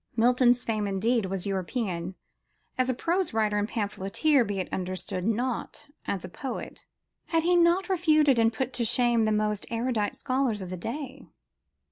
Milton's fame, indeed, was European: as a prose writer and pamphleteer, be it understood, not as a poet. Had he not refuted and put to shame the most erudite scholars of the day?